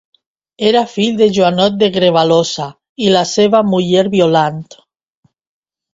Era fill de Joanot de Grevalosa i la seva muller Violant.